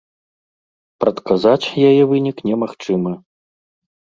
Прадказаць яе вынік немагчыма.